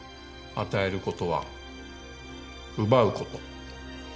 与えることは奪うこと。